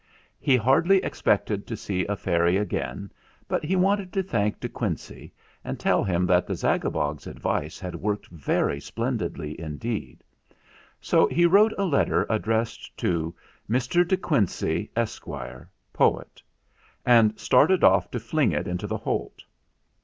He hardly expected to see a fairy again, but he wanted to thank De Quincey and tell him that the Zagabog's advice had worked very splendidly indeed. So he wrote a letter addressed to "Mr. De Quincey, Esquire, Poet," and started off to fling it into the Holt.